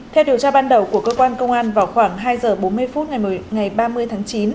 theo điều tra ban đầu của cơ quan công an vào khoảng hai giờ bốn mươi phút ngày ba mươi tháng chín